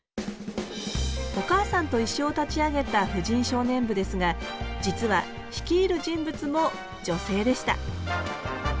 「おかあさんといっしょ」を立ち上げた婦人少年部ですが実は率いる人物も女性でした。